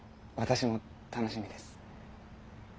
私も楽しみです。